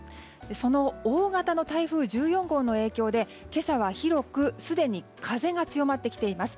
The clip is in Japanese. その大型の台風１４号の影響で今朝は、広くすでに風が強まってきています。